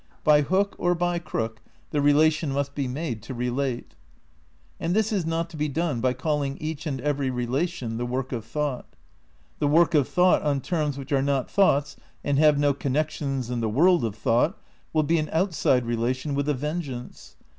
By hook or by crook the relation must be made to relate. And this is not to be done by calling each and every relation the work of thought. The work of thought on terms which are not thoughts and have no connec tions in the world of thought will be an outside rela tion with a vengeance.